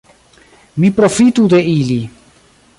Mi profitu de ili.